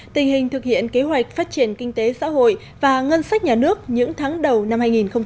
tình hình thực hiện kế hoạch phát triển kinh tế xã hội và ngân sách nhà nước những tháng đầu năm hai nghìn một mươi chín